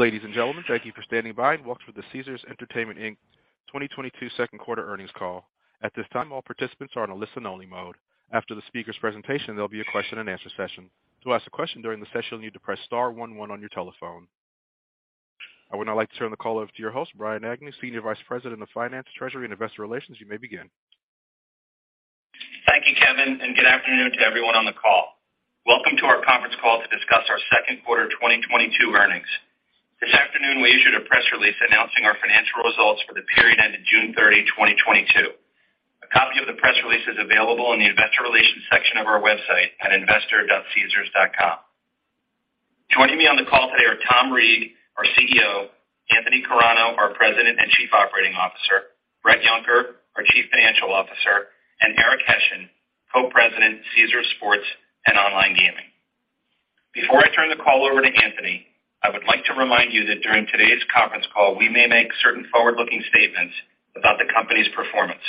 Ladies and gentlemen, thank you for standing by. Welcome to the Caesars Entertainment, Inc. 2022 second quarter earnings call. At this time, all participants are in a listen only mode. After the speaker's presentation, there'll be a question and answer session. To ask a question during the session, you'll need to press star one one on your telephone. I would now like to turn the call over to your host, Brian Agnew, Senior Vice President of Finance, Treasury and Investor Relations. You may begin. Thank you, Kevin, and good afternoon to everyone on the call. Welcome to our conference call to discuss our second quarter 2022 earnings. This afternoon, we issued a press release announcing our financial results for the period ended June 30, 2022. A copy of the press release is available in the investor relations section of our website at investor.caesars.com. Joining me on the call today are Tom Reeg, our CEO, Anthony Carano, our President and Chief Operating Officer, Bret Yunker, our Chief Financial Officer, and Eric Hession, Co-President, Caesars Sports & Online Gaming. Before I turn the call over to Anthony, I would like to remind you that during today's conference call, we may make certain forward-looking statements about the company's performance.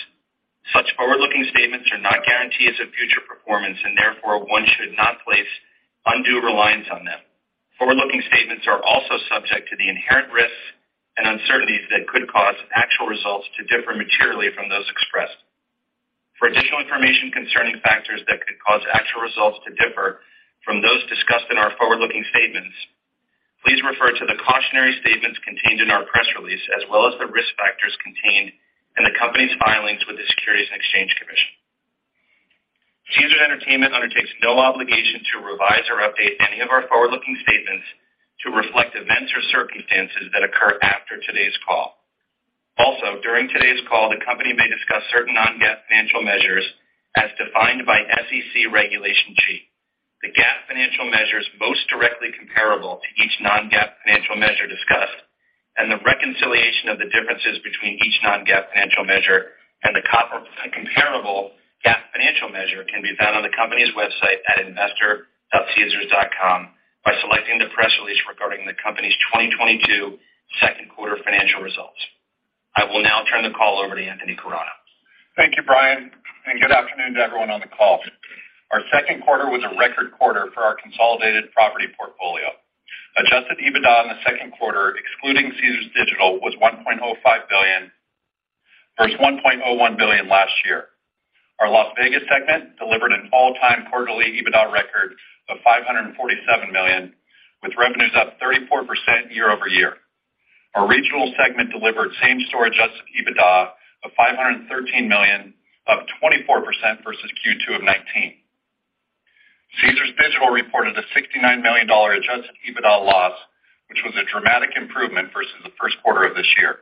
Such forward-looking statements are not guarantees of future performance, and therefore, one should not place undue reliance on them. Forward-looking statements are also subject to the inherent risks and uncertainties that could cause actual results to differ materially from those expressed. For additional information concerning factors that could cause actual results to differ from those discussed in our forward-looking statements, please refer to the cautionary statements contained in our press release, as well as the risk factors contained in the company's filings with the Securities and Exchange Commission. Caesars Entertainment undertakes no obligation to revise or update any of our forward-looking statements to reflect events or circumstances that occur after today's call. Also, during today's call, the company may discuss certain non-GAAP financial measures as defined by SEC Regulation G. The GAAP financial measures most directly comparable to each non-GAAP financial measure discussed and the reconciliation of the differences between each non-GAAP financial measure and the comparable GAAP financial measure can be found on the company's website at investor.caesars.com by selecting the press release regarding the company's 2022 second quarter financial results. I will now turn the call over to Anthony Carano. Thank you, Brian, and good afternoon to everyone on the call. Our second quarter was a record quarter for our consolidated property portfolio. Adjusted EBITDA in the second quarter, excluding Caesars Digital, was $1.05 billion versus $1.01 billion last year. Our Las Vegas segment delivered an all-time quarterly EBITDA record of $547 million, with revenues up 34% year-over-year. Our regional segment delivered same-store adjusted EBITDA of $513 million, up 24% versus Q2 of 2019. Caesars Digital reported a $69 million adjusted EBITDA loss, which was a dramatic improvement versus the first quarter of this year.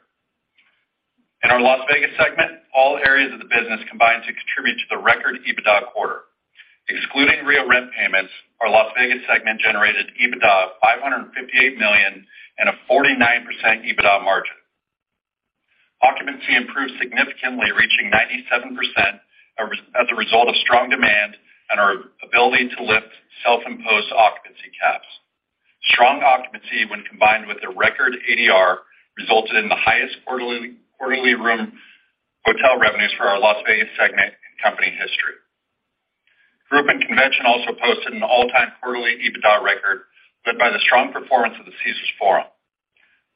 In our Las Vegas segment, all areas of the business combined to contribute to the record EBITDA quarter. Excluding REIT rent payments, our Las Vegas segment generated EBITDA of $558 million and a 49% EBITDA margin. Occupancy improved significantly, reaching 97% as a result of strong demand and our ability to lift self-imposed occupancy caps. Strong occupancy, when combined with a record ADR, resulted in the highest quarterly room hotel revenues for our Las Vegas segment in company history. Group and convention also posted an all-time quarterly EBITDA record led by the strong performance of the Caesars Forum.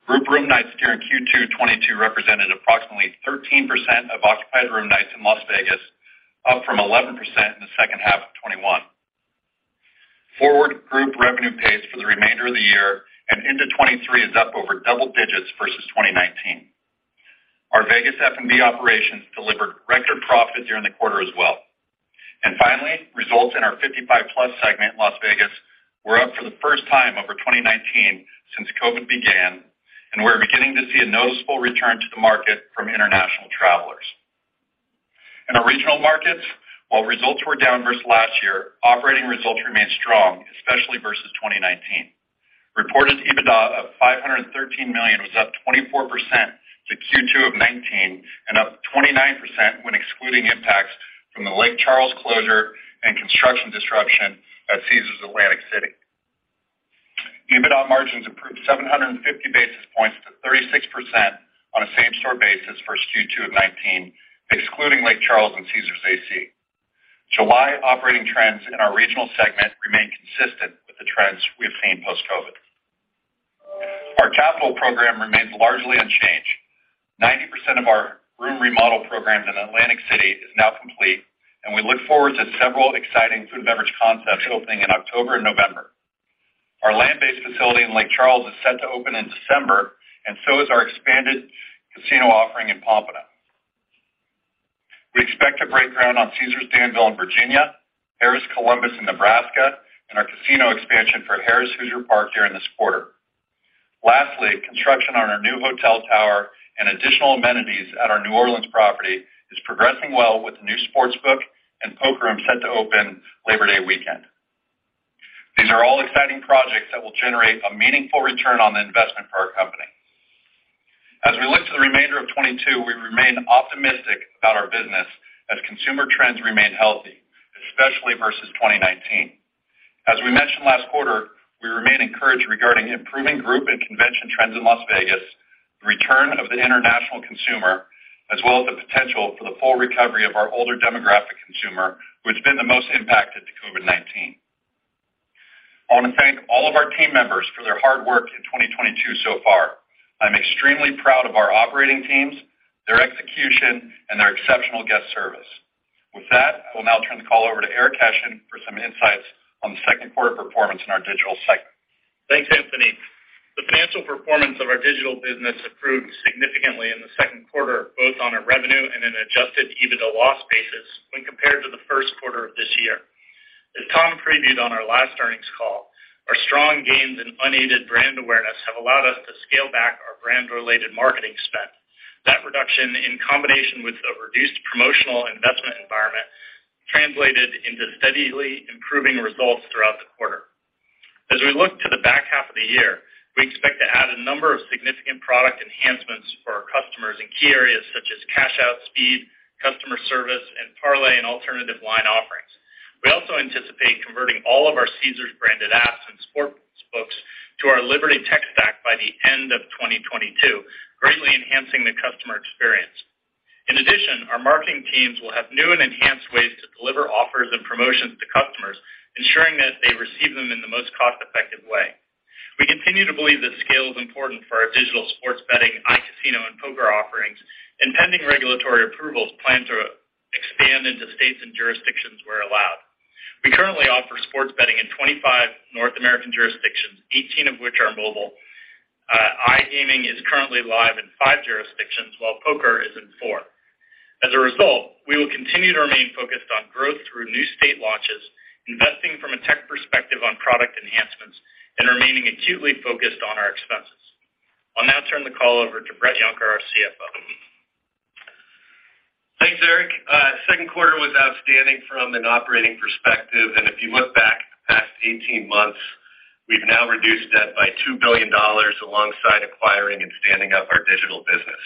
Group room nights during Q2 2022 represented approximately 13% of occupied room nights in Las Vegas, up from 11% in the second half of 2021. Forward group revenue pace for the remainder of the year and into 2023 is up over double digits versus 2019. Our Vegas F&B operations delivered record profits during the quarter as well. Finally, results in our 55+ segment in Las Vegas were up for the first time over 2019 since COVID began, and we're beginning to see a noticeable return to the market from international travelers. In our regional markets, while results were down versus last year, operating results remained strong, especially versus 2019. Reported EBITDA of $513 million was up 24% to Q2 of 2019 and up 29% when excluding impacts from the Lake Charles closure and construction disruption at Caesars Atlantic City. EBITDA margins improved 750 basis points to 36% on a same store basis versus Q2 of 2019, excluding Lake Charles and Caesars AC. July operating trends in our regional segment remain consistent with the trends we have seen post-COVID. Our capital program remains largely unchanged. 90% of our room remodel programs in Atlantic City is now complete, and we look forward to several exciting food and beverage concepts opening in October and November. Our land-based facility in Lake Charles is set to open in December, and so is our expanded casino offering in Pompano. We expect to break ground on Caesars Danville in Virginia, Harrah's Columbus in Nebraska, and our casino expansion for Harrah's Hoosier Park during this quarter. Lastly, construction on our new hotel tower and additional amenities at our New Orleans property is progressing well with the new sportsbook and poker room set to open Labor Day weekend. These are all exciting projects that will generate a meaningful return on the investment for our company. As we look to the remainder of 2022, we remain optimistic about our business as consumer trends remain healthy, especially versus 2019. As we mentioned last quarter, we remain encouraged regarding improving group and convention trends in Las Vegas, return of the international consumer, as well as the potential for the full recovery of our older demographic consumer, who has been the most impacted by COVID-19. I want to thank all of our team members for their hard work in 2022 so far. I'm extremely proud of our operating teams, their execution, and their exceptional guest service. With that, I will now turn the call over to Eric Hession for some insights on the second quarter performance in our digital segment. Thanks, Anthony. The financial performance of our digital business improved significantly in the second quarter, both on a revenue and an adjusted EBITDA loss basis when compared to the first quarter of this year. As Tom previewed on our last earnings call, our strong gains in unaided brand awareness have allowed us to scale back our brand-related marketing spend. That reduction, in combination with a reduced promotional investment environment, translated into steadily improving results throughout the quarter. As we look to the back half of the year, we expect to add a number of significant product enhancements for our customers in key areas such as cash out speed, customer service, and parlay and alternative line offerings. We also anticipate converting all of our Caesars branded apps and sportsbooks to our Liberty tech stack by the end of 2022, greatly enhancing the customer experience. In addition, our marketing teams will have new and enhanced ways to deliver offers and promotions to customers, ensuring that they receive them in the most cost-effective way. We continue to believe that scale is important for our digital sports betting, iCasino, and poker offerings, and pending regulatory approvals plan to expand into states and jurisdictions where allowed. We currently offer sports betting in 25 North American jurisdictions, 18 of which are mobile. iGaming is currently live in five jurisdictions, while poker is in four. As a result, we will continue to remain focused on growth through new state launches, investing from a tech perspective on product enhancements, and remaining acutely focused on our expenses. I'll now turn the call over to Bret Yunker, our CFO. Thanks, Eric. Second quarter was outstanding from an operating perspective. If you look back the past 18 months, we've now reduced debt by $2 billion alongside acquiring and standing up our digital business.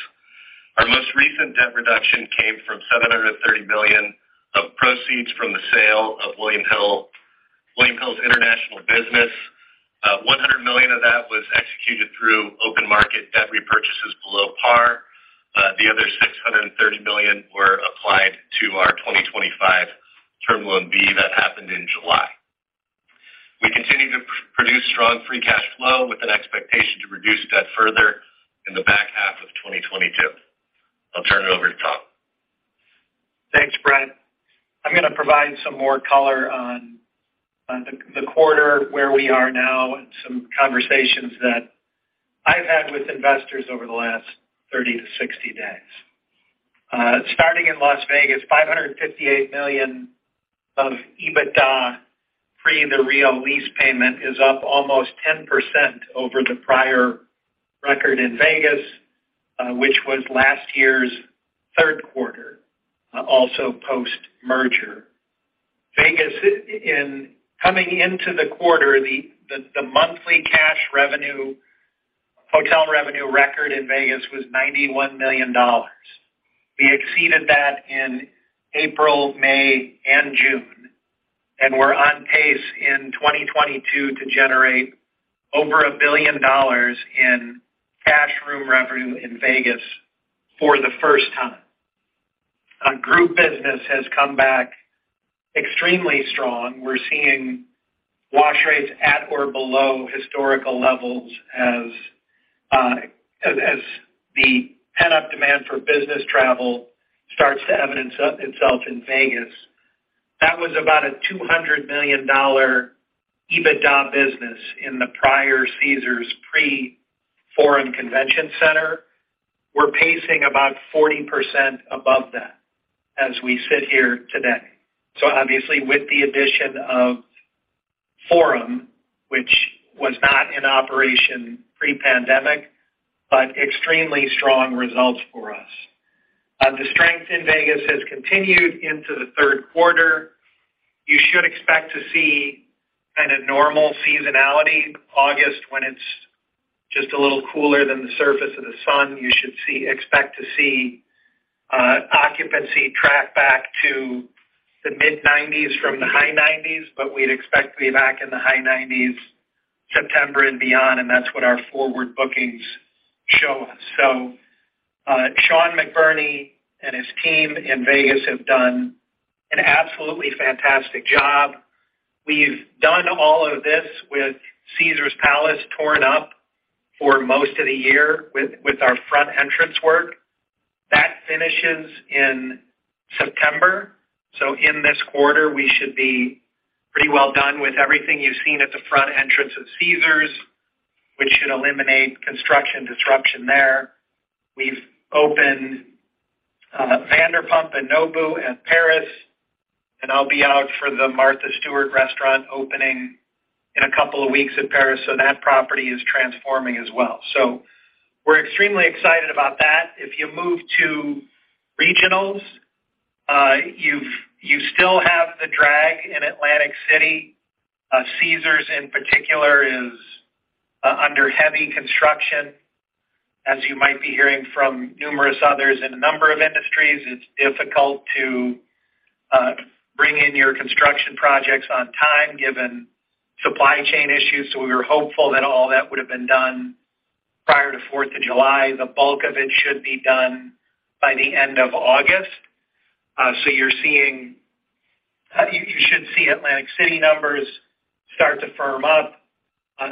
Our most recent debt reduction came from $730 million of proceeds from the sale of William Hill, William Hill's international business. $100 million of that was executed through open market debt repurchases below par. The other $630 million were applied to our 2025 term loan B that happened in July. We continue to produce strong free cash flow with an expectation to reduce debt further in the back half of 2022. I'll turn it over to Tom. Thanks, Bret. I'm going to provide some more color on the quarter where we are now and some conversations that I've had with investors over the last 30-60 days. Starting in Las Vegas, $558 million of EBITDA, pre the Rio lease payment, is up almost 10% over the prior record in Vegas, which was last year's third quarter, also post-merger. Vegas coming into the quarter, the monthly cash revenue, hotel revenue record in Vegas was $91 million. We exceeded that in April, May, and June, and we're on pace in 2022 to generate over $1 billion in cash room revenue in Vegas for the first time. Our group business has come back extremely strong. We're seeing wash rates at or below historical levels as the pent-up demand for business travel starts to evidence itself in Vegas. That was about a $200 million EBITDA business in the prior Caesars pre-Forum Convention Center. We're pacing about 40% above that as we sit here today. Obviously, with the addition of Forum, which was not in operation pre-pandemic, but extremely strong results for us. The strength in Vegas has continued into the third quarter. You should expect to see kind of normal seasonality August when it's just a little cooler than the surface of the sun. You should expect to see occupancy track back to the mid-90s% from the high 90s%, but we'd expect to be back in the high 90s%, September and beyond, and that's what our forward bookings show us. Sean McBurney and his team in Vegas have done an absolutely fantastic job. We've done all of this with Caesars Palace torn up for most of the year with our front entrance work. That finishes in September. In this quarter, we should be pretty well done with everything you've seen at the front entrance of Caesars, which should eliminate construction disruption there. We've opened Vanderpump à Paris and Nobu at Paris, and I'll be out for the Martha Stewart restaurant opening in a couple of weeks at Paris, so that property is transforming as well. We're extremely excited about that. If you move to regionals, you still have the drag in Atlantic City. Caesars, in particular, is under heavy construction. As you might be hearing from numerous others in a number of industries, it's difficult to construct projects on time given supply chain issues. We were hopeful that all that would have been done prior to Fourth of July. The bulk of it should be done by the end of August. You should see Atlantic City numbers start to firm up.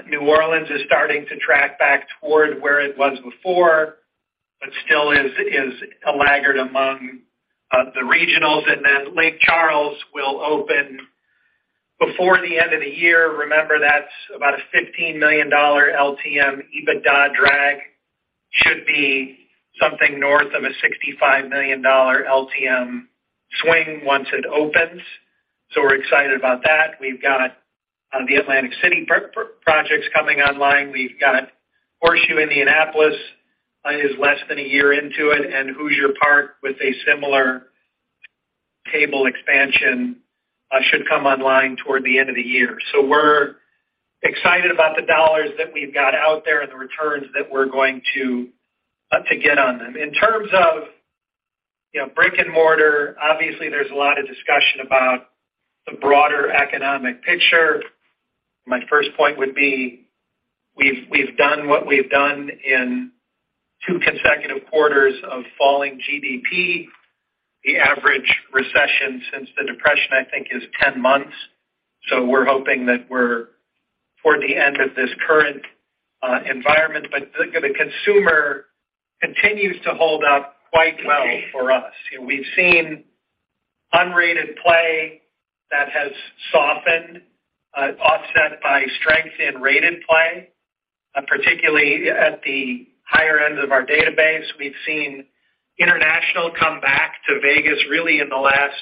New Orleans is starting to track back toward where it was before, but still is a laggard among the regionals. Lake Charles will open before the end of the year. Remember, that's about a $15 million LTM EBITDA drag should be something north of a $65 million LTM swing once it opens. We're excited about that. We've got the Atlantic City projects coming online. We've got Horseshoe Indianapolis is less than a year into it, and Hoosier Park with a similar table expansion should come online toward the end of the year. We're excited about the dollars that we've got out there and the returns that we're going to get on them. In terms of, you know, brick-and-mortar, obviously there's a lot of discussion about the broader economic picture. My first point would be, we've done what we've done in two consecutive quarters of falling GDP. The average recession since the Depression, I think, is 10 months. We're hoping that we're toward the end of this current environment. The consumer continues to hold up quite well for us. You know, we've seen unrated play that has softened, offset by strength in rated play, particularly at the higher end of our database. We've seen international come back to Vegas really in the last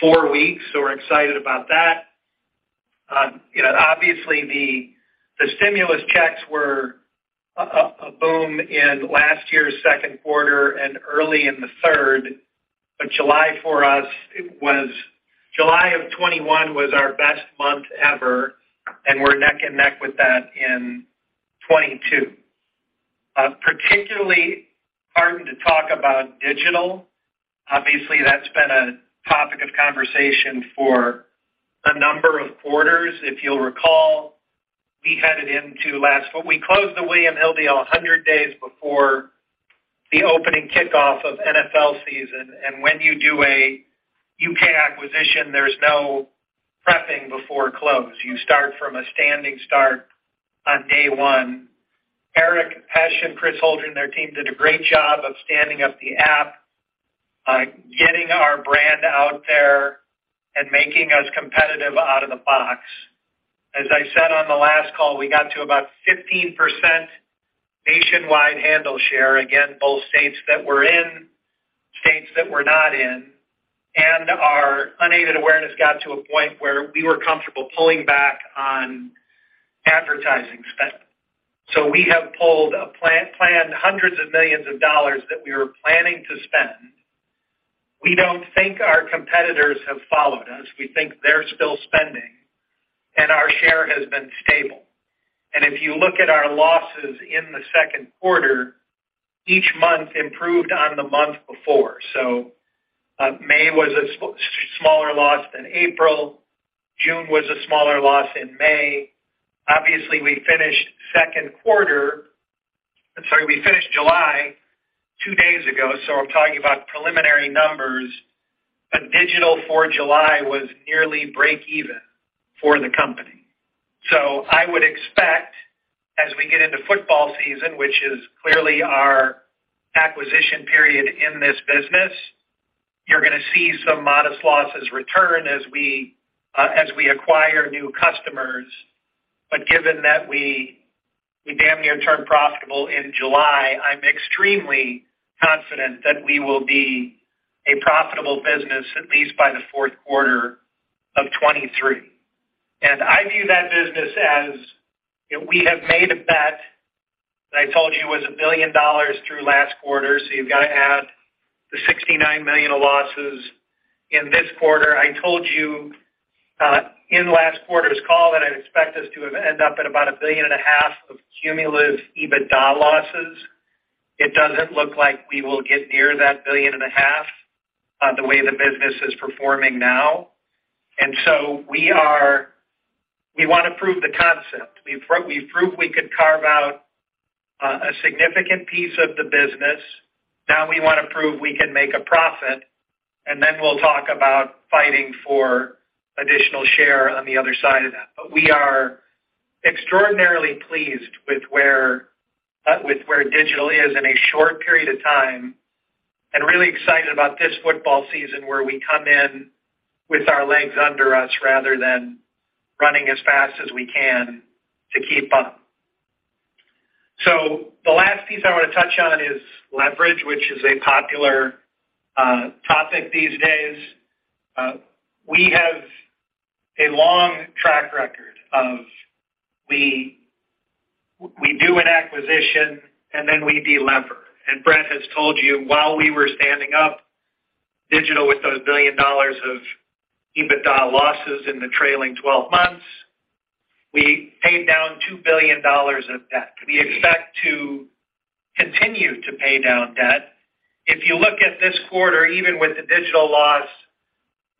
four weeks, so we're excited about that. You know, obviously, the stimulus checks were a boom in last year's second quarter and early in the third. July for us, July of 2021 was our best month ever, and we're neck and neck with that in 2022. Particularly heartened to talk about digital. Obviously, that's been a topic of conversation for a number of quarters. If you'll recall, we closed the William Hill deal 100 days before the opening kickoff of NFL season. When you do a U.K. acquisition, there's no prepping before close. You start from a standing start on day one. Eric Hession and Chris Holdren, their team, did a great job of standing up the app, getting our brand out there and making us competitive out of the box. As I said on the last call, we got to about 15% nationwide handle share, again, both states that we're in, states that we're not in, and our unaided awareness got to a point where we were comfortable pulling back on advertising spend. We have pulled back on planned $hundreds of millions that we were planning to spend. We don't think our competitors have followed us. We think they're still spending, and our share has been stable. If you look at our losses in the second quarter, each month improved on the month before. May was a smaller loss than April. June was a smaller loss than May. Obviously, we finished July two days ago, so I'm talking about preliminary numbers. Digital for July was nearly break even for the company. I would expect as we get into football season, which is clearly our acquisition period in this business, you're gonna see some modest losses return as we as we acquire new customers. Given that we damn near turned profitable in July, I'm extremely confident that we will be a profitable business at least by the fourth quarter of 2023. I view that business as, you know, we have made a bet that I told you was $1 billion through last quarter, so you've gotta add the $69 million of losses in this quarter. I told you in last quarter's call that I'd expect us to have end up at about $1.5 billion of cumulative EBITDA losses. It doesn't look like we will get near that $1.5 billion the way the business is performing now. We wanna prove the concept. We've proved we could carve out a significant piece of the business. Now, we wanna prove we can make a profit, and then we'll talk about fighting for additional share on the other side of that. We are extraordinarily pleased with where digital is in a short period of time, and really excited about this football season where we come in with our legs under us rather than running as fast as we can to keep up. The last piece I wanna touch on is leverage, which is a popular topic these days. We have a long track record of we do an acquisition and then we de-lever. Bret has told you while we were standing up digital with those $1 billion of EBITDA losses in the trailing 12 months. $2 billion of debt. We expect to continue to pay down debt. If you look at this quarter, even with the digital loss,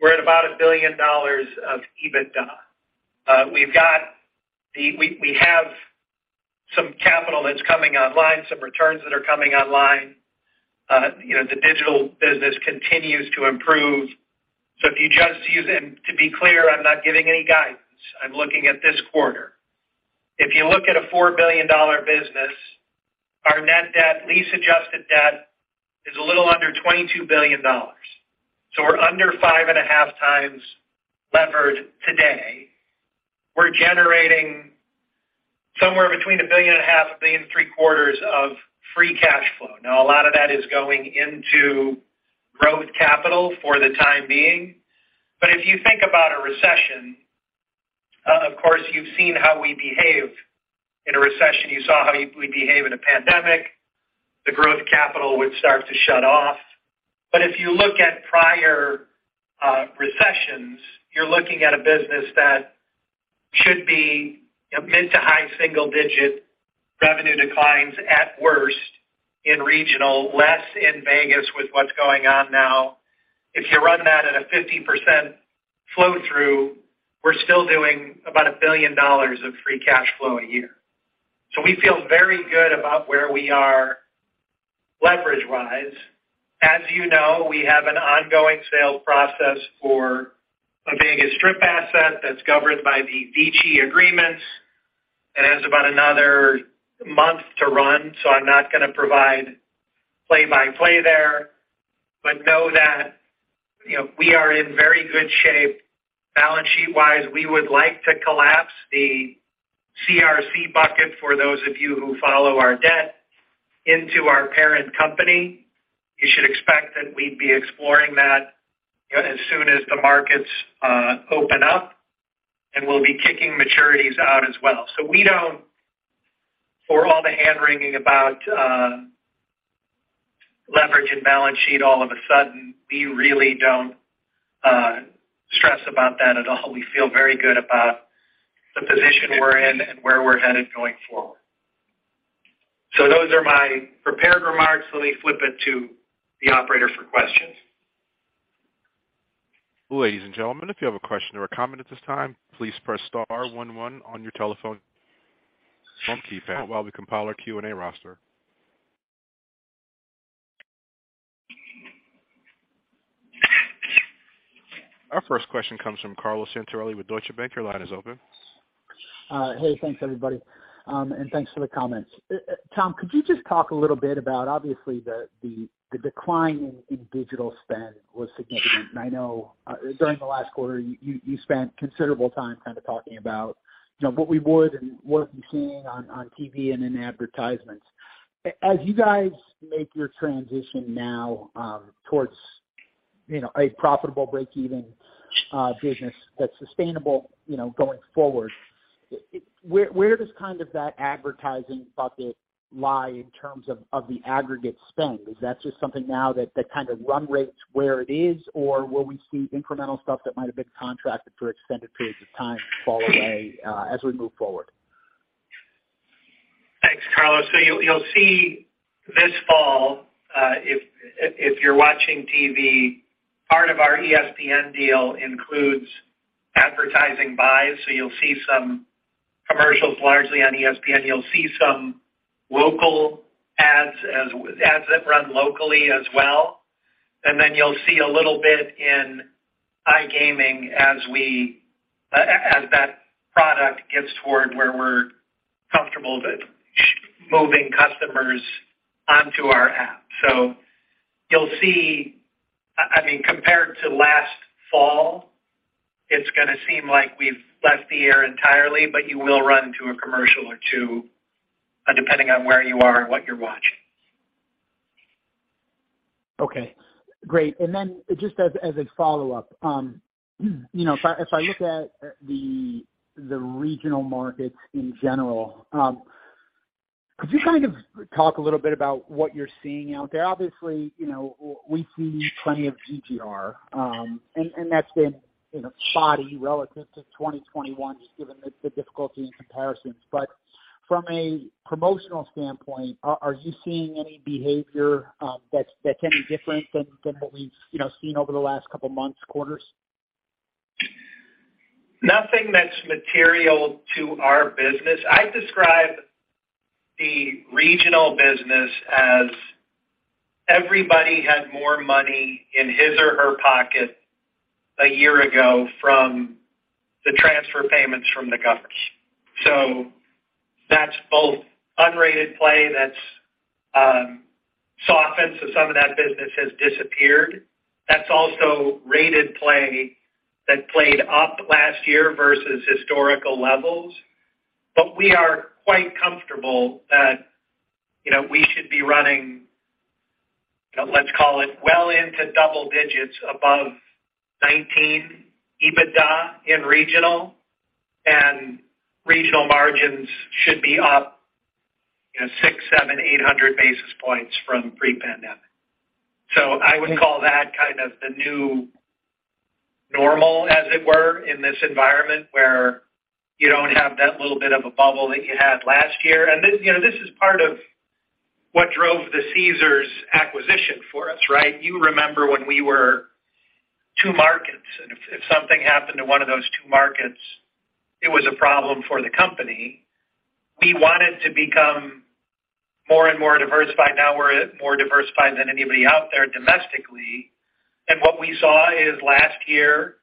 we're at about $1 billion of EBITDA. We have some capital that's coming online, some returns that are coming online. You know, the digital business continues to improve. If you just use. To be clear, I'm not giving any guidance. I'm looking at this quarter. If you look at a $4 billion business, our net debt, lease-adjusted debt is a little under $22 billion. We're under 5.5x levered today. We're generating somewhere between $1.5 billion and $1.75 billion of free cash flow. Now, a lot of that is going into growth capital for the time being. If you think about a recession, of course you've seen how we behave in a recession, you saw how we behave in a pandemic, the growth capital would start to shut off. If you look at prior recessions, you're looking at a business that should be a mid- to high-single-digit% revenue declines at worst in regional, less in Vegas with what's going on now. If you run that at a 50% flow through, we're still doing about $1 billion of free cash flow a year. We feel very good about where we are leverage-wise. As you know, we have an ongoing sales process for a Vegas strip asset that's governed by the VICI agreements. It has about another month to run, so I'm not gonna provide play by play there. Know that, you know, we are in very good shape balance sheet-wise. We would like to collapse the CRC bucket for those of you who follow our debt into our parent company. You should expect that we'd be exploring that, you know, as soon as the markets open up, and we'll be kicking maturities out as well. For all the hand-wringing about leverage and balance sheet all of a sudden, we really don't stress about that at all. We feel very good about the position we're in and where we're headed going forward. Those are my prepared remarks. Let me flip it to the operator for questions. Ladies and gentlemen, if you have a question or a comment at this time, please press star one one on your telephone keypad while we compile our Q&A roster. Our first question comes from Carlo Santarelli with Deutsche Bank. Your line is open. Hey, thanks everybody. Thanks for the comments. Tom, could you just talk a little bit about obviously the decline in digital spend was significant. I know during the last quarter, you spent considerable time kind of talking about, you know, what we would and what you're seeing on TV and in advertisements. As you guys make your transition now towards a profitable break-even business that's sustainable, you know, going forward, where does kind of that advertising bucket lie in terms of the aggregate spend? Is that just something now that run rates where it is? Or will we see incremental stuff that might have been contracted for extended periods of time fall away as we move forward? Thanks, Carlos. You'll see this fall, if you're watching TV, part of our ESPN deal includes advertising buys. You'll see some commercials largely on ESPN. You'll see some local ads that run locally as well. You'll see a little bit in iGaming as that product gets toward where we're comfortable with moving customers onto our app. You'll see. I mean, compared to last fall, it's gonna seem like we've left the air entirely, but you will run into a commercial or two, depending on where you are and what you're watching. Okay, great. Just as a follow-up, you know, if I look at the regional markets in general, could you kind of talk a little bit about what you're seeing out there? Obviously, you know, we see plenty of GGR, and that's been, you know, spotty relative to 2021 just given the difficulty in comparisons. From a promotional standpoint, are you seeing any behavior that's any different than what we've, you know, seen over the last couple of months, quarters? Nothing that's material to our business. I describe the regional business as everybody had more money in his or her pocket a year ago from the transfer payments from the government. That's both unrated play that's softened, so some of that business has disappeared. That's also rated play that played up last year versus historical levels. We are quite comfortable that, you know, we should be running, you know, let's call it well into double digits above 19 EBITDA in regional and regional margins should be up, you know, 600, 700, 800 basis points from pre-pandemic. I would call that kind of the new normal as it were in this environment where you don't have that little bit of a bubble that you had last year. You know, this is part of what drove the Caesars acquisition for us, right? You remember when we were two markets, and if something happened to one of those two markets, it was a problem for the company. We wanted to become more and more diversified. Now we're more diversified than anybody out there domestically. What we saw is last year,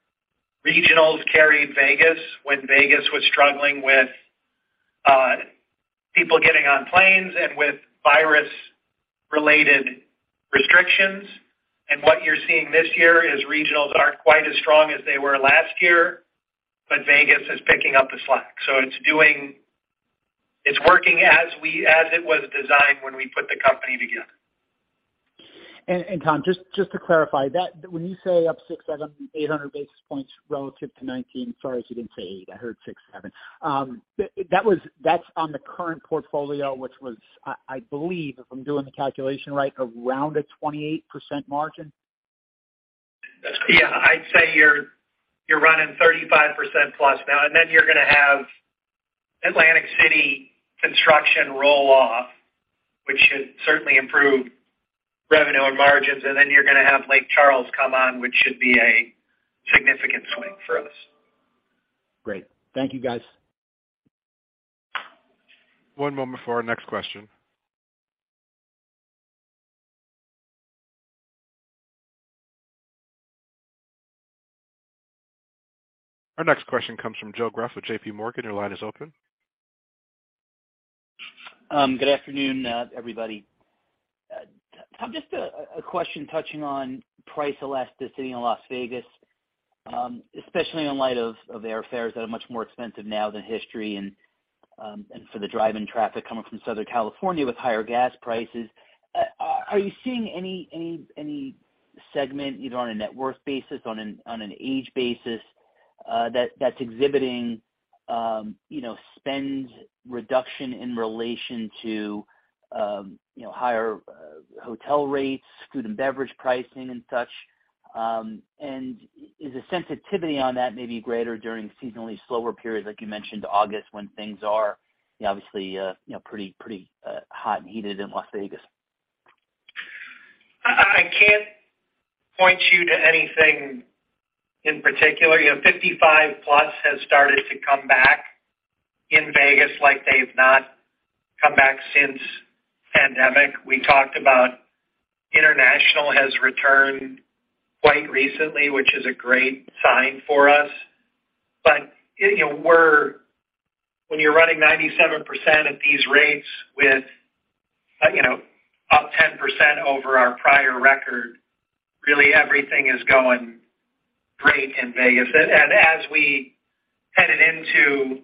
regionals carried Vegas when Vegas was struggling with people getting on planes and with virus related restrictions. What you're seeing this year is regionals aren't quite as strong as they were last year, but Vegas is picking up the slack. It's working as it was designed when we put the company together. Tom, just to clarify, that when you say up 600-800 basis points relative to 2019, as far as you can say, I heard six, seven. That's on the current portfolio, which was, I believe if I'm doing the calculation right, around a 28% margin. Yeah. I'd say you're running 35%+ now, and then you're gonna have Atlantic City construction roll-off, which should certainly improve revenue and margins. Then you're gonna have Lake Charles come on, which should be a significant swing for us. Great. Thank you, guys. One moment for our next question. Our next question comes from Joseph Greff with JPMorgan. Your line is open. Good afternoon, everybody. Tom, just a question touching on price elasticity in Las Vegas, especially in light of airfares that are much more expensive now than history and for the drive-in traffic coming from Southern California with higher gas prices. Are you seeing any segment, either on a net worth basis, on an age basis, that's exhibiting, you know, spend reduction in relation to, you know, higher hotel rates, food and beverage pricing and such? Is the sensitivity on that maybe greater during seasonally slower periods, like you mentioned August, when things are, you know, obviously, you know, pretty hot and heated in Las Vegas? I can't point you to anything in particular. You know, 55+ has started to come back in Vegas like they've not come back since pandemic. We talked about international has returned quite recently, which is a great sign for us. You know, we're, when you're running 97% at these rates with, you know, up 10% over our prior record, really everything is going great in Vegas. As we headed into,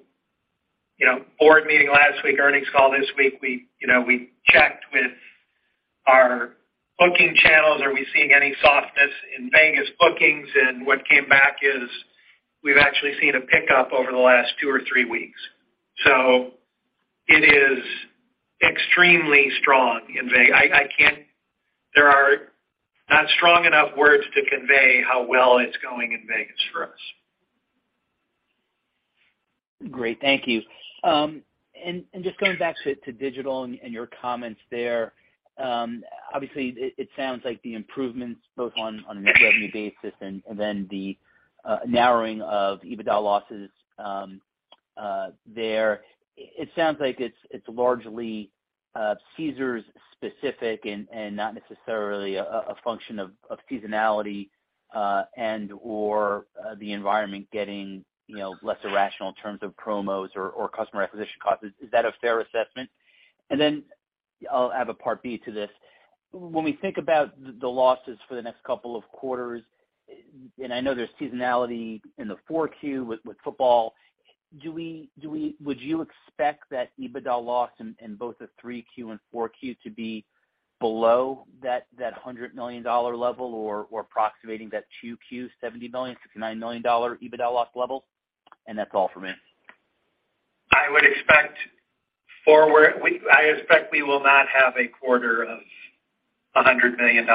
you know, board meeting last week, earnings call this week, we, you know, we checked with our booking channels, are we seeing any softness in Vegas bookings? What came back is we've actually seen a pickup over the last 2 or 3 weeks. It is extremely strong. There are not strong enough words to convey how well it's going in Vegas for us. Great. Thank you. Just going back to digital and your comments there, obviously it sounds like the improvements both on a net revenue basis and then the narrowing of EBITDA losses there, it sounds like it's largely Caesars specific and not necessarily a function of seasonality and/or the environment getting, you know, less irrational in terms of promos or customer acquisition costs. Is that a fair assessment? Then I'll have a part B to this. When we think about the losses for the next couple of quarters, and I know there's seasonality in the 4Q with football, would you expect that EBITDA loss in both the 3Q and 4Q to be below that $100 million level or approximating that 2Q $70 million, $69 million dollar EBITDA loss level? That's all for me. I expect we will not have a quarter of $100 million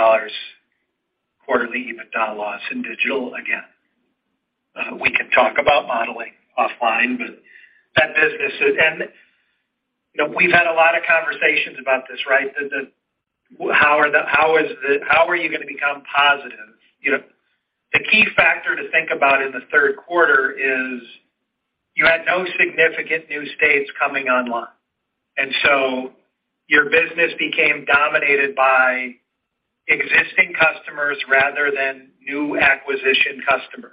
quarterly EBITDA loss in digital again. We can talk about modeling offline, but that business is you know, we've had a lot of conversations about this, right? How are you gonna become positive? You know, the key factor to think about in the third quarter is you had no significant new states coming online, and so your business became dominated by existing customers rather than new acquisition customers.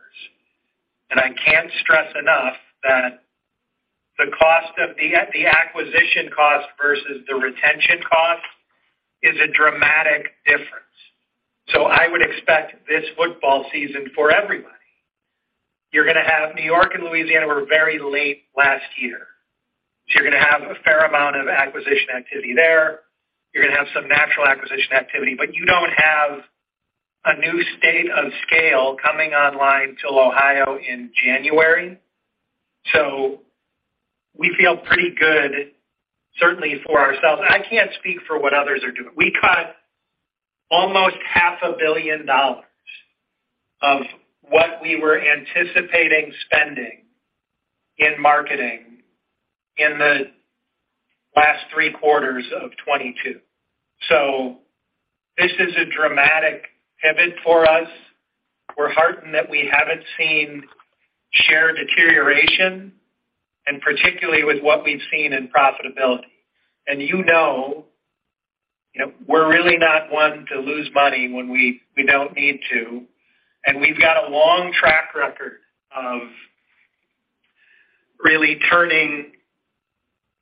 I can't stress enough that the acquisition cost versus the retention cost is a dramatic difference. I would expect this football season for everybody, you're gonna have New York and Louisiana were very late last year. You're gonna have a fair amount of acquisition activity there. You're gonna have some natural acquisition activity. You don't have a new state of scale coming online till Ohio in January. We feel pretty good, certainly for ourselves. I can't speak for what others are doing. We cut almost half a billion dollars of what we were anticipating spending in marketing in the last three quarters of 2022. This is a dramatic pivot for us. We're heartened that we haven't seen share deterioration, and particularly with what we've seen in profitability. You know, we're really not one to lose money when we don't need to. We've got a long track record of really turning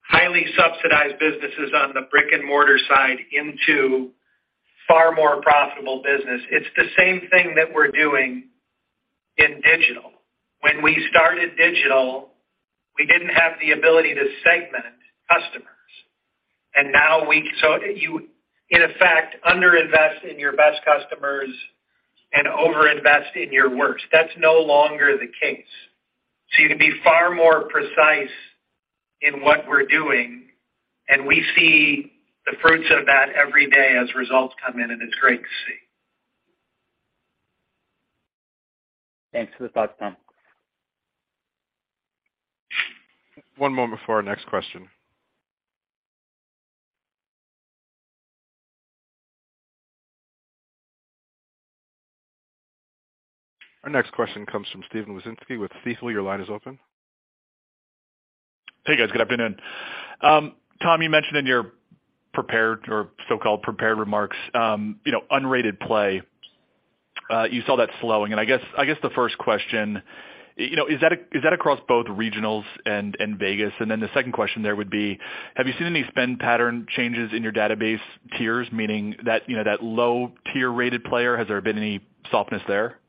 highly subsidized businesses on the brick-and-mortar side into far more profitable business. It's the same thing that we're doing in digital. When we started digital, we didn't have the ability to segment customers. You in effect under invest in your best customers and over invest in your worst. That's no longer the case. You can be far more precise in what we're doing, and we see the fruits of that every day as results come in, and it's great to see. Thanks for the thoughts, Tom. One moment before our next question. Our next question comes from Stephen Grambling with Stifel. Your line is open. Hey, guys. Good afternoon. Tom, you mentioned in your prepared or so-called prepared remarks unrated play you saw that slowing. I guess the first question is that across both regionals and Vegas? Then the second question there would be, have you seen any spend pattern changes in your database tiers? Meaning that low tier rated player, has there been any softness there?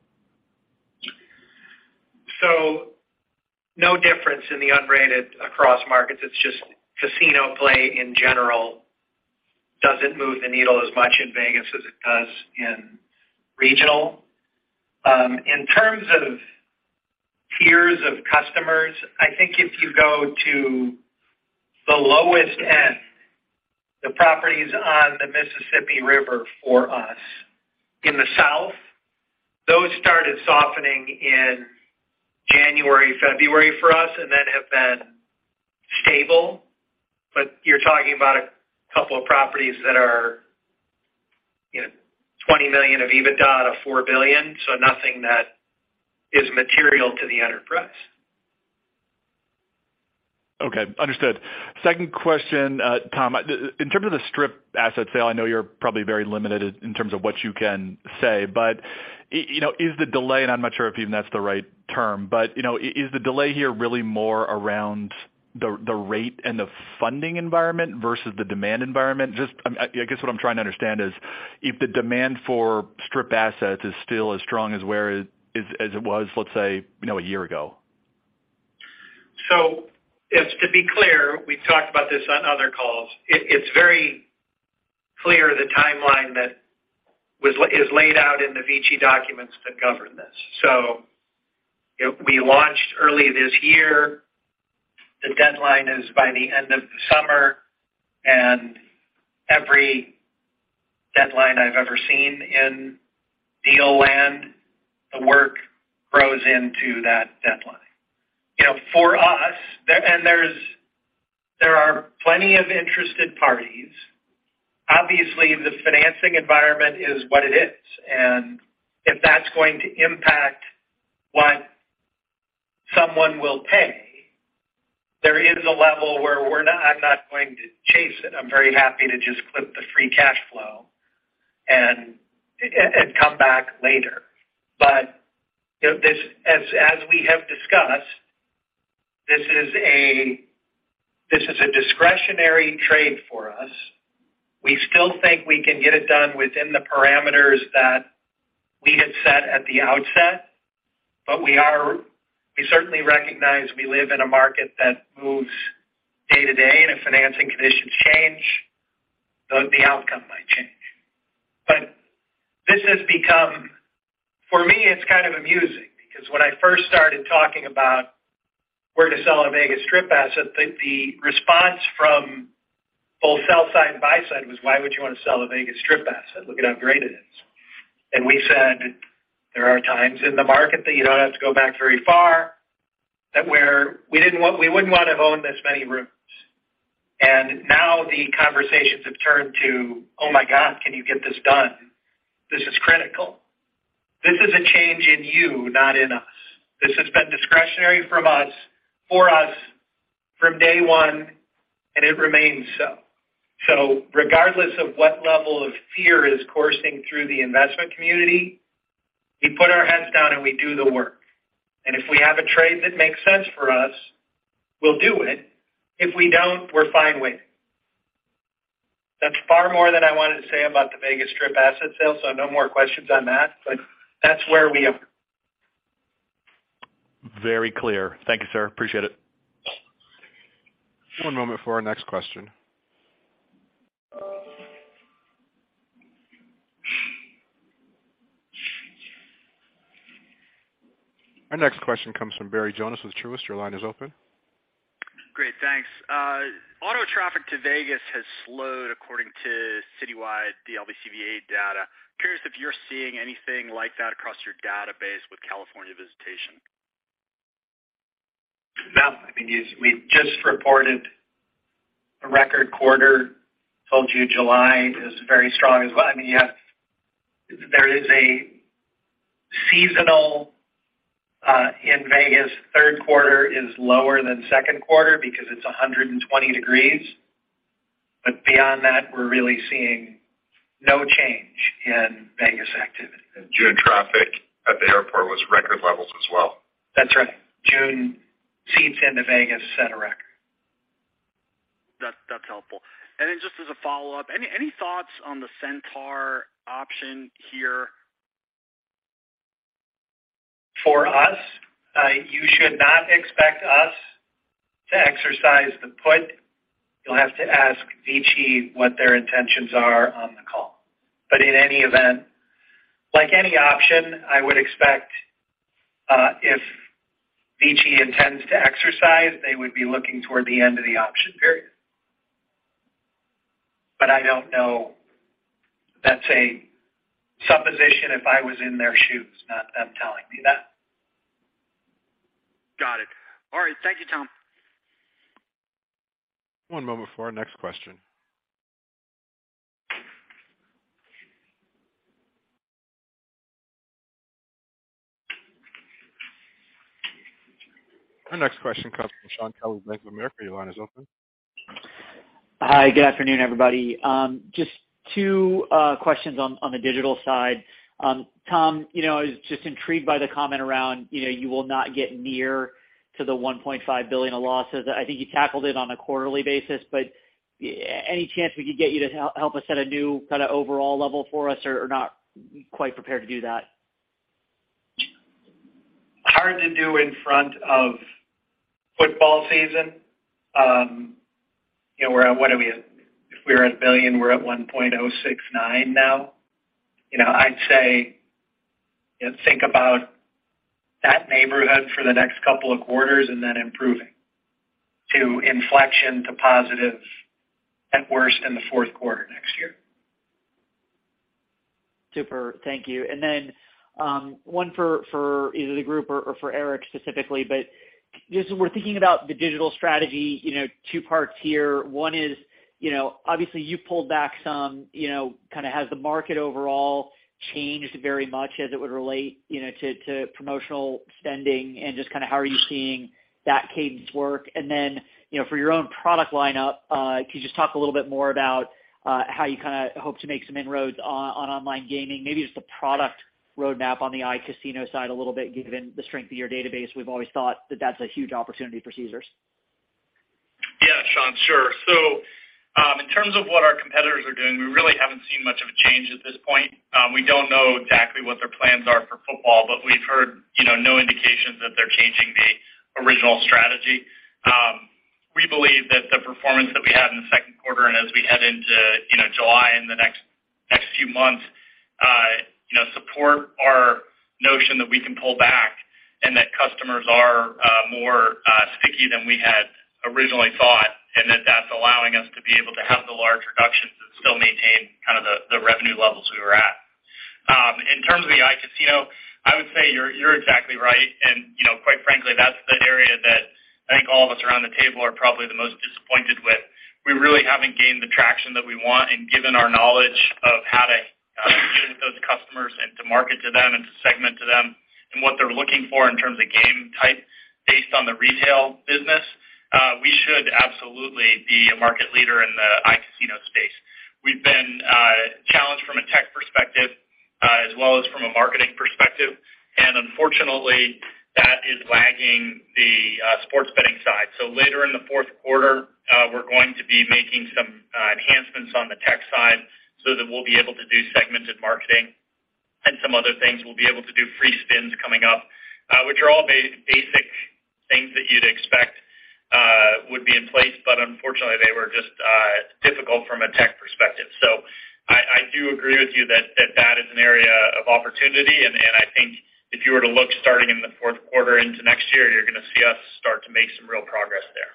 No difference in the unrated across markets. It's just casino play in general doesn't move the needle as much in Vegas as it does in regional. In terms of tiers of customers, I think if you go to the lowest end, the properties on the Mississippi River for us in the South, those started softening in January, February for us and then have been stable. You're talking about a couple of properties that are, you know, $20 million of EBITDA out of $4 billion, so nothing that is material to the enterprise. Okay, understood. Second question, Tom, in terms of the Strip asset sale, I know you're probably very limited in terms of what you can say, but, you know, is the delay, and I'm not sure if even that's the right term, but, you know, is the delay here really more around the rate and the funding environment versus the demand environment? Just, I guess what I'm trying to understand is if the demand for Strip assets is still as strong as where it is as it was, let's say, you know, a year ago. Just to be clear, we talked about this on other calls. It's very clear the timeline is laid out in the VICI documents that govern this. You know, we launched early this year. The deadline is by the end of the summer, and every deadline I've ever seen in deal land, the work grows into that deadline. You know, for us, there are plenty of interested parties. Obviously, the financing environment is what it is. If that's going to impact what someone will pay, there is a level where I'm not going to chase it. I'm very happy to just clip the free cash flow and come back later. You know, as we have discussed, this is a discretionary trade for us. We still think we can get it done within the parameters that we had set at the outset. We certainly recognize we live in a market that moves day to day, and if financing conditions change, the outcome might change. This has become. For me, it's kind of amusing because when I first started talking about we're gonna sell a Vegas Strip asset, the response from both sell side and buy side was, "Why would you want to sell a Vegas Strip asset? Look at how great it is." We said, there are times in the market that you don't have to go back very far, that we wouldn't want to own this many rooms. Now the conversations have turned to, "Oh my God, can you get this done? This is critical." This is a change in you, not in us. This has been discretionary for us from day one, and it remains so. Regardless of what level of fear is coursing through the investment community, we put our heads down and we do the work. If we have a trade that makes sense for us, we'll do it. If we don't, we're fine waiting. That's far more than I wanted to say about the Vegas Strip asset sale, so no more questions on that. That's where we are. Very clear. Thank you, sir. Appreciate it. One moment for our next question. Our next question comes from Barry Jonas with Truist. Your line is open. Great, thanks. Auto traffic to Vegas has slowed according to citywide LVCVA data. Curious if you're seeing anything like that across your database with California visitation? No. I think it's. We've just reported a record quarter. Told you July is very strong as well. I mean, yeah, there is seasonality in Vegas, third quarter is lower than second quarter because it's 120 degrees. Beyond that, we're really seeing no change in Vegas activity. June traffic at the airport was record levels as well. That's right. June seats into Vegas set a record. That's helpful. Then just as a follow-up, any thoughts on the Centaur option here? For us? You should not expect us to exercise the put. You'll have to ask VICI what their intentions are on the call. In any event, like any option, I would expect, if VICI intends to exercise, they would be looking toward the end of the option period. I don't know. That's a supposition if I was in their shoes, not them telling me that. Got it. All right. Thank you, Tom. One moment for our next question. Our next question comes from Shaun Kelley with Bank of America. Your line is open. Hi, good afternoon, everybody. Just two questions on the digital side. Tom, you know, I was just intrigued by the comment around, you know, you will not get near to the $1.5 billion of losses. I think you tackled it on a quarterly basis, but any chance we could get you to help us set a new kind of overall level for us, or not quite prepared to do that? Hard to do in front of football season. You know, we're at, what are we at? If we're at $1 billion, we're at $1.069 billion now. You know, I'd say, you know, think about that neighborhood for the next couple of quarters and then improving to inflection to positive at worst in the fourth quarter next year. Super. Thank you. One for either the group or for Eric specifically. As we're thinking about the digital strategy, you know, two parts here. One is, you know, obviously you pulled back some, you know, kind of has the market overall changed very much as it would relate, you know, to promotional spending and just kind of how are you seeing that cadence work? You know, for your own product lineup, can you just talk a little bit more about how you kind of hope to make some inroads on online gaming? Maybe just the product roadmap on the iCasino side a little bit, given the strength of your database. We've always thought that that's a huge opportunity for Caesars. Yeah, Sean, sure. In terms of what our competitors are doing, we really haven't seen much of a change at this point. We don't know exactly what their plans are for football, but we've heard, you know, no indications that they're changing the original strategy. We believe that the performance that we had in the second quarter and as we head into, you know, July and the next few months, you know, support our notion that we can pull back and that customers are more sticky than we had originally thought, and that that's allowing us to be able to have the large reductions and still maintain kind of the revenue levels we were at. In terms of the iCasino, I would say you're exactly right. You know, quite frankly, that's the area that I think all of us around the table are probably the most disappointed with. We really haven't gained the traction that we want and given our knowledge of how to deal with those customers and to market to them and to segment to them and what they're looking for in terms of game type based on the retail business, we should absolutely be a market leader in the iCasino space. We've been challenged from a tech perspective, as well as from a marketing perspective. Unfortunately, that is lagging the sports betting side. Later in the fourth quarter, we're going to be making some enhancements on the tech side so that we'll be able to do segmented marketing and some other things. We'll be able to do free spins coming up, which are all basic things that you'd expect would be in place, but unfortunately, they were just difficult from a tech perspective. I do agree with you that that is an area of opportunity. I think if you were to look starting in the fourth quarter into next year, you're gonna see us start to make some real progress there.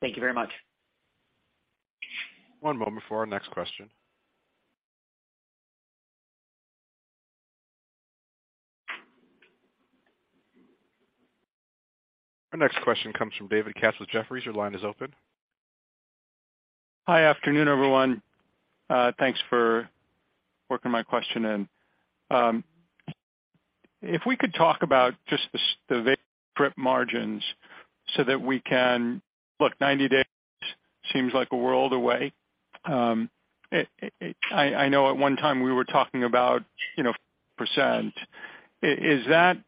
Thank you very much. One moment for our next question. Our next question comes from David Katz with Jefferies. Your line is open. Hi. Afternoon, everyone. Thanks for working my question in. If we could talk about just the Strip margins. Look, 90 days seems like a world away. I know at one time we were talking about, you know, percent. Is that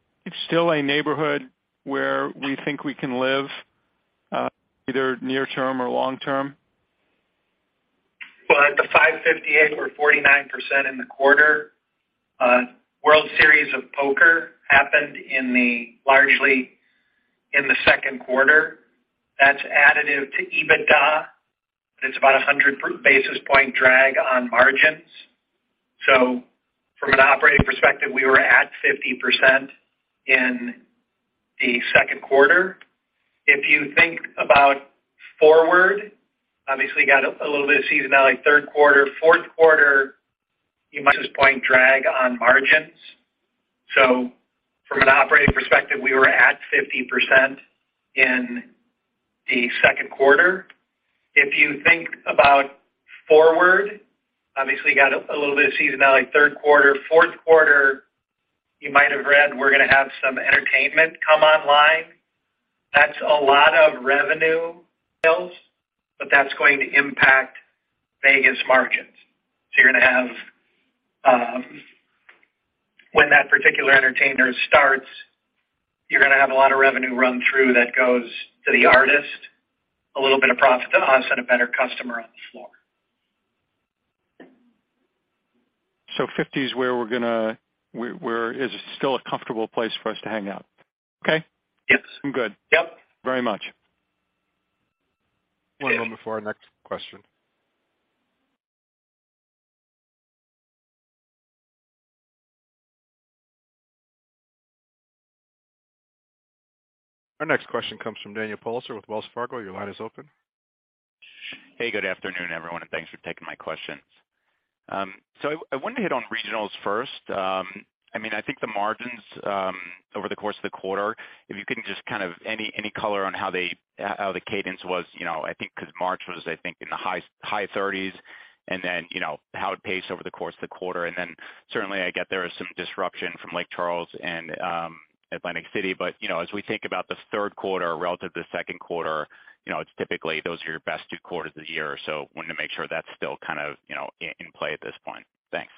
still a neighborhood where we think we can live, either near term or long term? Well, at the 55.8%, we're 49% in the quarter. World Series of Poker happened largely in the second quarter. That's additive to EBITDA. It's about 100 basis points drag on margins. From an operating perspective, we were at 50% in the second quarter. If you think about forward, obviously got a little bit of seasonality third quarter. Fourth quarter, you might have read we're gonna have some entertainment come online. That's a lot of revenue build, but that's going to impact Vegas margins. You're gonna have, when that particular entertainer starts, you're gonna have a lot of revenue run through that goes to the artist, a little bit of profit to us, and a better customer on the floor. 50s, where is still a comfortable place for us to hang out. Okay? Yes. I'm good. Yep. Very much. One moment before our next question. Our next question comes from Daniel Politzer with Wells Fargo. Your line is open. Hey, good afternoon, everyone, and thanks for taking my questions. I want to hit on regionals first. I mean, I think the margins over the course of the quarter, if you can just kind of any color on how the cadence was, you know, I think because March was, I think, in the high 30s and then, you know, how it paced over the course of the quarter. Certainly I get there is some disruption from Lake Charles and Atlantic City. You know, as we think about the third quarter relative to second quarter, you know, it's typically those are your best two quarters of the year. Wanted to make sure that's still kind of, you know, in play at this point. Thanks.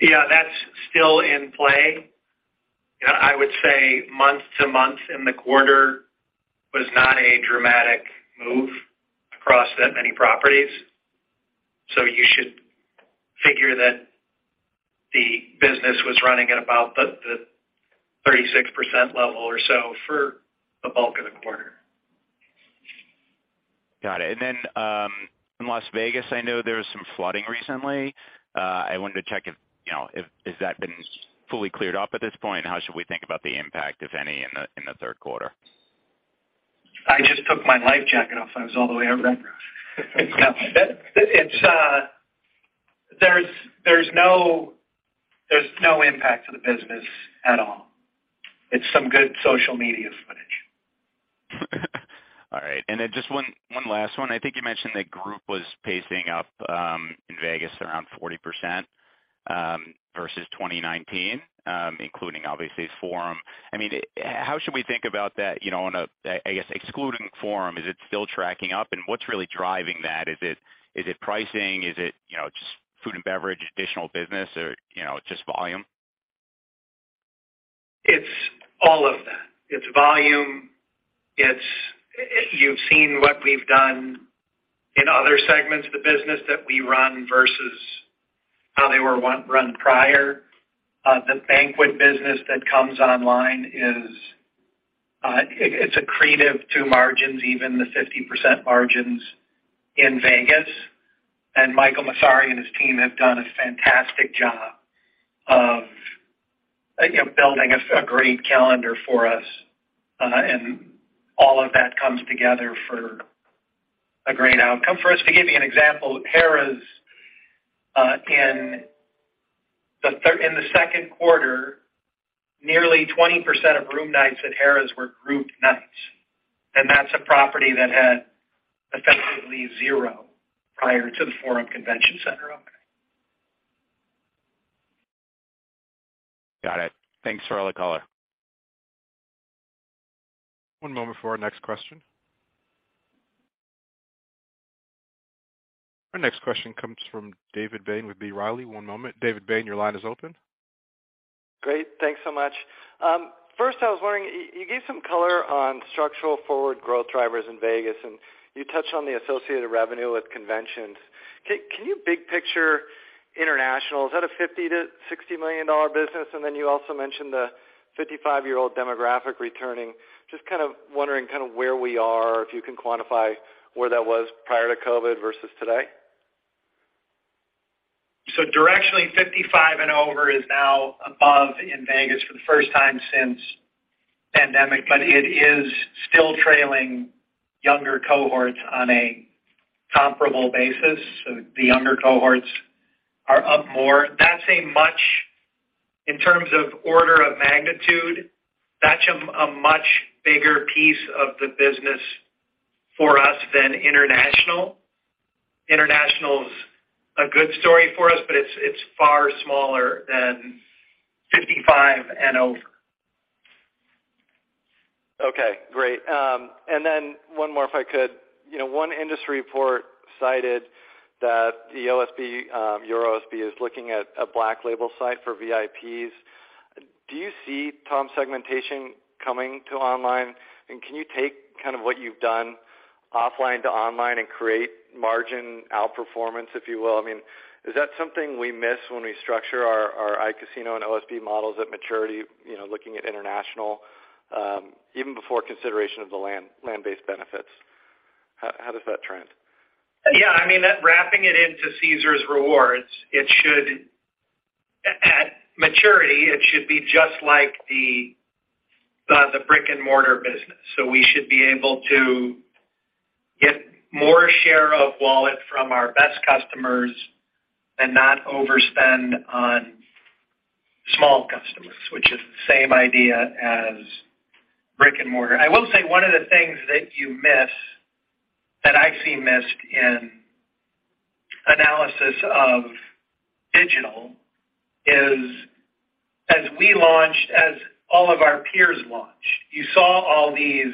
Yeah, that's still in play. You know, I would say month-to-month in the quarter was not a dramatic move across that many properties. You should figure that the business was running at about the 36% level or so for the bulk of the quarter. Got it. In Las Vegas, I know there was some flooding recently. I wanted to check if has that been fully cleared up at this point? How should we think about the impact, if any, in the third quarter? I just took my life jacket off. I was all the way out back. There's no impact to the business at all. It's some good social media footage. All right. Just one last one. I think you mentioned that group was pacing up in Vegas around 40% versus 2019, including obviously Forum. I mean, how should we think about that, you know, on a, I guess, excluding Forum, is it still tracking up? What's really driving that? Is it pricing? Is it, you know, just food and beverage, additional business or, you know, just volume? It's all of that. It's volume. You've seen what we've done in other segments of the business that we run versus how they were run prior. The banquet business that comes online is, it's accretive to margins, even the 50% margins in Vegas. Michael Massari and his team have done a fantastic job of, you know, building a great calendar for us, and all of that comes together for a great outcome for us. To give you an example, Harrah's in the second quarter, nearly 20% of room nights at Harrah's were group nights. That's a property that had effectively zero prior to the Forum Convention Center opening. Got it. Thanks for all the color. One moment for our next question. Our next question comes from David Bain with B. Riley. One moment. David Bain, your line is open. Great. Thanks so much. First, I was wondering, you gave some color on structural forward growth drivers in Vegas, and you touched on the associated revenue with conventions. Can you big picture international? Is that a $50-$60 million business? And then you also mentioned the 55-year-old demographic returning. Just kind of wondering where we are, if you can quantify where that was prior to COVID versus today. Directionally, 55 and over is now above in Vegas for the first time since pandemic, but it is still trailing younger cohorts on a comparable basis. The younger cohorts are up more. That's, in terms of order of magnitude, a much bigger piece of the business for us than international. International's a good story for us, but it's far smaller than 55 and over. Okay, great. One more if I could. You know, one industry report cited that the OSB, Euro OSB is looking at a black label site for VIPs. Do you see, Tom, segmentation coming to online? Can you take kind of what you've done offline to online and create margin outperformance, if you will? I mean, is that something we miss when we structure our iCasino and OSB models at maturity, you know, looking at international, even before consideration of the land-based benefits? How does that trend? I mean, that wrapping it into Caesars Rewards, it should at maturity be just like the brick-and-mortar business. We should be able to get more share of wallet from our best customers and not overspend on small customers, which is the same idea as brick-and-mortar. I will say one of the things that you miss, that I've seen missed in analysis of digital is, as we launched, as all of our peers launched, you saw all these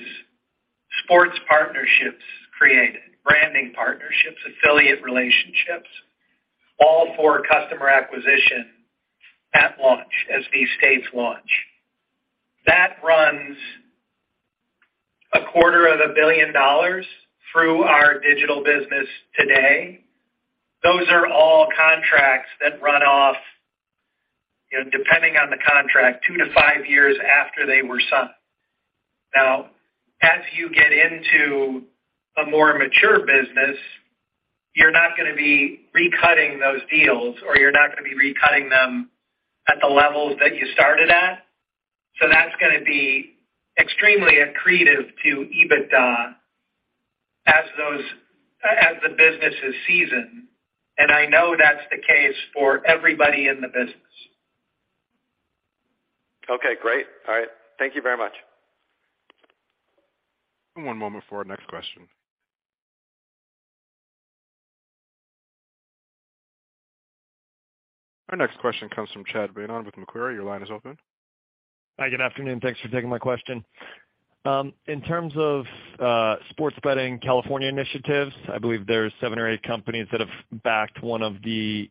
sports partnerships created, branding partnerships, affiliate relationships, all for customer acquisition at launch, as these states launch. That runs a quarter of a billion dollars through our digital business today. Those are all contracts that run off, you know, depending on the contract, two to five years after they were signed. Now, as you get into a more mature business, you're not gonna be recutting those deals, or you're not gonna be recutting them at the levels that you started at. So that's gonna be extremely accretive to EBITDA as those, as the business is seasoned. I know that's the case for everybody in the business. Okay, great. All right. Thank you very much. One moment before our next question. Our next question comes from Chad Beynon with Macquarie. Your line is open. Hi, good afternoon. Thanks for taking my question. In terms of sports betting California initiatives, I believe there's seven or eight companies that have backed one of the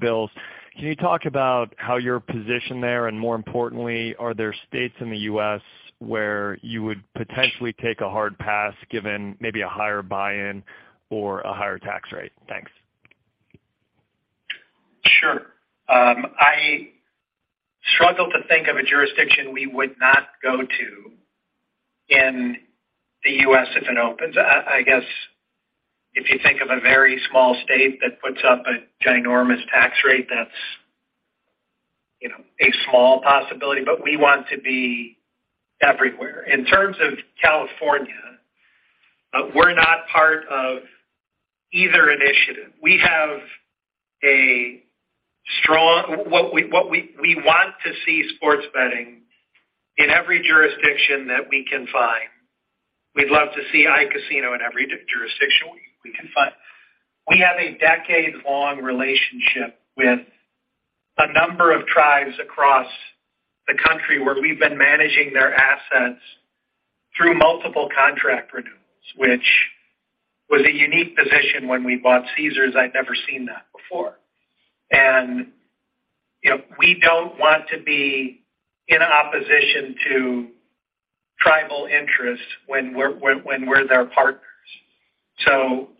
bills. Can you talk about how you're positioned there? More importantly, are there states in the U.S. where you would potentially take a hard pass given maybe a higher buy-in or a higher tax rate? Thanks. Sure. I struggle to think of a jurisdiction we would not go to in the U.S. if it opens. I guess if you think of a very small state that puts up a ginormous tax rate, that's, you know, a small possibility. But we want to be everywhere. In terms of California, we're not part of either initiative. We want to see sports betting in every jurisdiction that we can find. We'd love to see iCasino in every jurisdiction we can find. We have a decade-long relationship with a number of tribes across the country where we've been managing their assets through multiple contract renewals, which was a unique position when we bought Caesars. I'd never seen that before. You know, we don't want to be in opposition to tribal interests when we're their partners.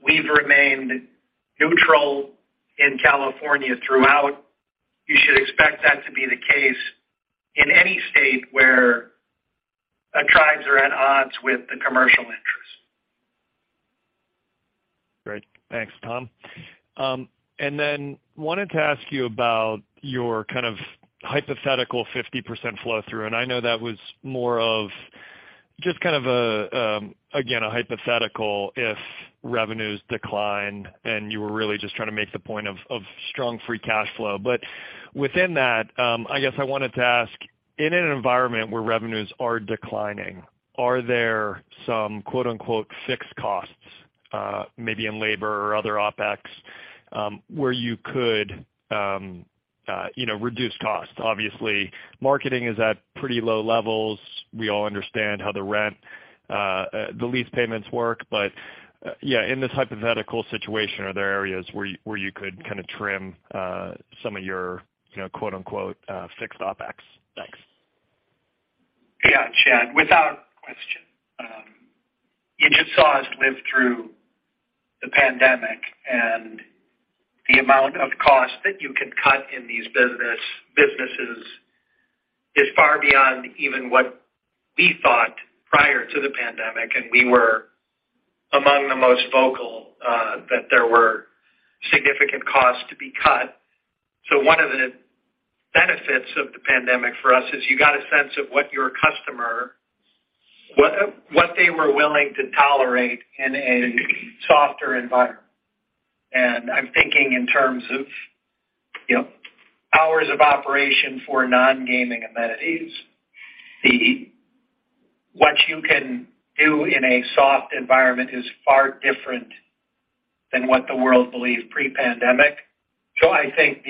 We've remained neutral in California throughout. You should expect that to be the case in any state where tribes are at odds with the commercial interests. Great. Thanks, Tom. Wanted to ask you about your kind of hypothetical 50% flow through, and I know that was more of just kind of a, again, a hypothetical if revenues decline, and you were really just trying to make the point of strong free cash flow. Within that, I guess I wanted to ask, in an environment where revenues are declining, are there some, quote-unquote, "fixed costs," maybe in labor or other OpEx, where you could, you know, reduce costs? Obviously, marketing is at pretty low levels. We all understand how the rent, the lease payments work. Yeah, in this hypothetical situation, are there areas where you could kind of trim some of your, you know, quote-unquote, "fixed OpEx?" Thanks. Yeah, Chad, without question. You just saw us live through the pandemic and the amount of costs that you can cut in these businesses is far beyond even what we thought prior to the pandemic, and we were among the most vocal that there were significant costs to be cut. One of the benefits of the pandemic for us is you got a sense of what your customer, what they were willing to tolerate in a softer environment. I'm thinking in terms of, you know, hours of operation for non-gaming amenities. What you can do in a soft environment is far different than what the world believed pre-pandemic. I think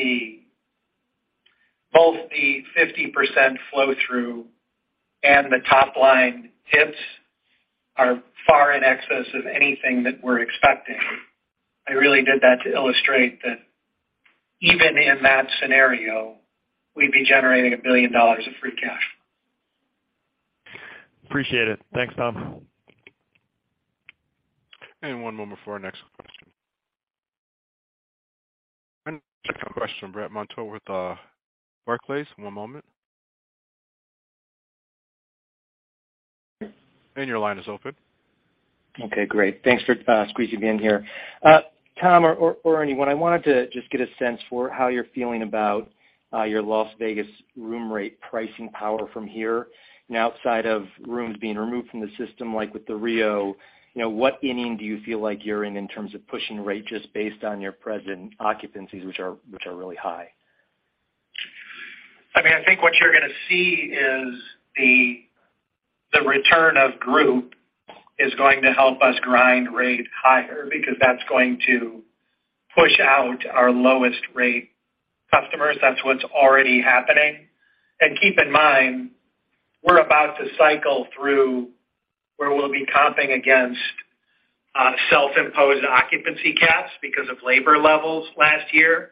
both the 50% flow through and the top-line tips are far in excess of anything that we're expecting. I really did that to illustrate that even in that scenario, we'd be generating $1 billion of free cash. Appreciate it. Thanks, Tom. One moment for our next question. Check for a question. Brandt Montour with Barclays. One moment. Your line is open. Okay, great. Thanks for squeezing me in here. Tom or anyone, I wanted to just get a sense for how you're feeling about your Las Vegas room rate pricing power from here. Outside of rooms being removed from the system, like with the Rio, you know, what inning do you feel like you're in in terms of pushing rate just based on your present occupancies, which are really high? I mean, I think what you're gonna see is the return of group is going to help us grind rate higher because that's going to push out our lowest rate customers. That's what's already happening. Keep in mind, we're about to cycle through where we'll be comping against self-imposed occupancy caps because of labor levels last year.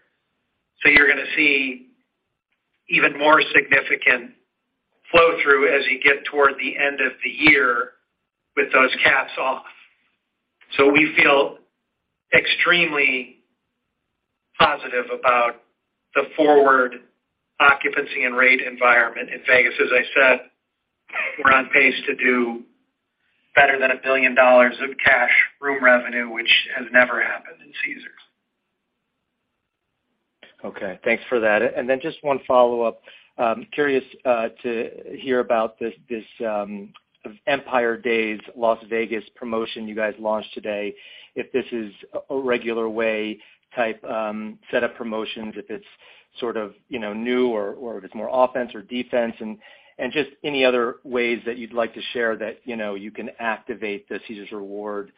You're gonna see even more significant flow through as you get toward the end of the year with those caps off. We feel extremely positive about the forward occupancy and rate environment in Vegas. As I said, we're on pace to do better than $1 billion of cash room revenue, which has never happened in Caesars. Okay, thanks for that. Just one follow-up. Curious to hear about this Empire Days Las Vegas promotion you guys launched today, if this is a regular way type set of promotions, if it's sort of, you know, new or if it's more offense or defense, and just any other ways that you'd like to share that, you know, you can activate the Caesars Rewards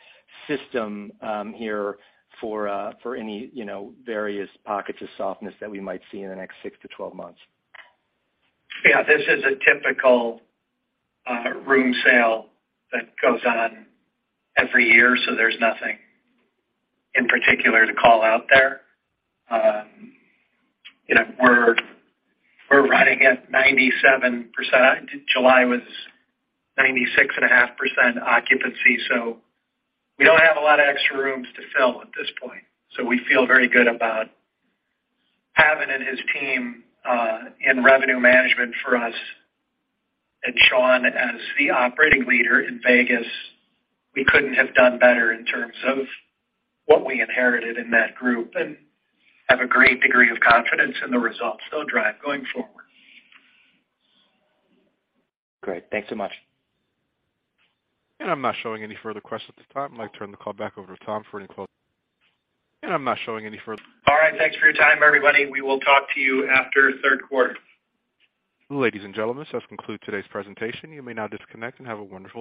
system here for any, you know, various pockets of softness that we might see in the next six to 12 months. Yeah, this is a typical room sale that goes on every year, so there's nothing in particular to call out there. You know, we're running at 97%. July was 96.5% occupancy, so we don't have a lot of extra rooms to fill at this point. We feel very good about Pavan and his team in revenue management for us and Sean as the operating leader in Vegas. We couldn't have done better in terms of what we inherited in that group and have a great degree of confidence in the results they'll drive going forward. Great. Thanks so much. I'm not showing any further questions at the time. I'd like to turn the call back over to Tom for any closing. All right. Thanks for your time, everybody. We will talk to you after third quarter. Ladies and gentlemen, this does conclude today's presentation. You may now disconnect and have a wonderful day.